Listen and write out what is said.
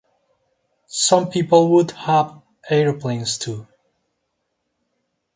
Some people would have aeroplanes too.